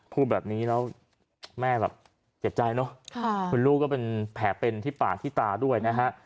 พูดแบบนี้แล้วแม่แบบเจ็บใจเนอะคุณลูกก็เป็นแผลเป็นที่ปากที่ตาด้วยนะฮะ